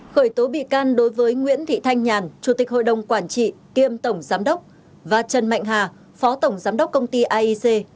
khởi tố bị can đối với nguyễn thị thanh nhàn chủ tịch hội đồng quản trị kiêm tổng giám đốc và trần mạnh hà phó tổng giám đốc công ty aic